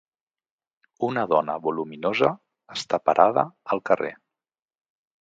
una dona voluminosa està parada al carrer